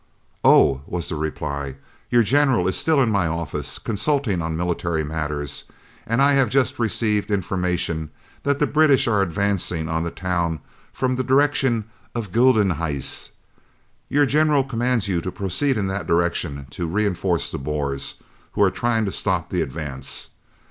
"Oh!" was the reply, "your General is still in my office, consulting on military matters, and I have just received information that the British are advancing on the town from the direction of the Gueldenhuis. Your General commands you to proceed in that direction to reinforce the Boers, who are trying to stop the advance.